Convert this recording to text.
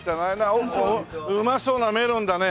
おおうまそうなメロンだね！